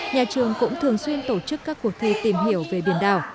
nhà trường cũng thường xuyên tổ chức các cuộc thi tìm hiểu về biển đảo